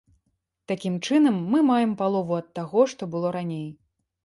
Такім чынам, мы маем палову ад таго, што было раней.